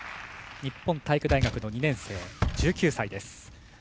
日本体育大学の２年生、１９歳。